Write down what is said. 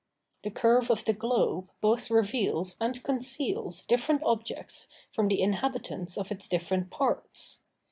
The curve of the globe both reveals and conceals different objects from the inhabitants of its different parts.